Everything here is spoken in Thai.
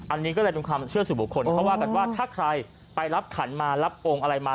อันนี้ก็เลยเป็นความเชื่อสู่บุคคลเขาว่ากันว่าถ้าใครไปรับขันมารับองค์อะไรมา